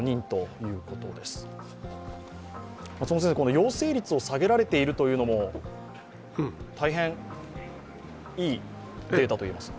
陽性率を下げられているというのも大変いいデータといえますか。